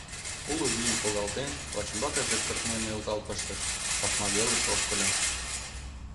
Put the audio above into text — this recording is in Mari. Уло вийым погалтен, вачӱмбакыже кыртмен нӧлтал пыштыш, пашма велыш ошкыльо.